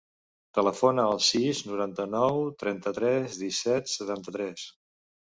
Telefona al sis, noranta-nou, trenta-tres, disset, setanta-tres.